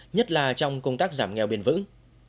nhất là trong công tác giảm nghèo biên vững